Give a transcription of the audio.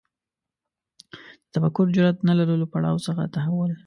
د تفکر جرئت نه لرلو پړاو څخه تحول